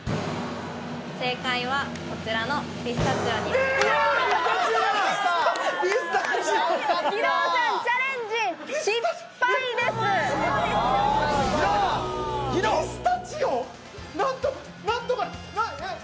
正解はこちらのピスタチオになります。